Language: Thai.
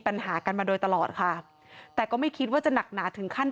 ปัญหากันมาโดยตลอดค่ะแต่ก็ไม่คิดว่าจะหนักหนาถึงขั้น